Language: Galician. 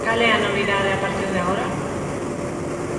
¿Cal é a novidade a partir de agora?